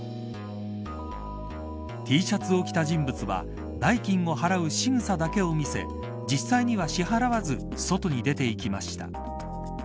Ｔシャツを着た人物は代金を払うしぐさだけをみせ実際には支払わず外に出ていきました。